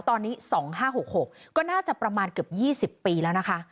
ตอนนี้๒๕๖๖ก็น่าจะประมาณเกือบ๒๐ปีแล้วนะคะ